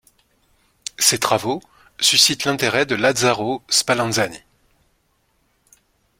Ses travaux suscitent l'intérêt de Lazzaro Spallanzani.